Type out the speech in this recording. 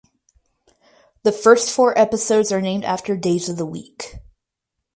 The first four episodes are named after days of the week.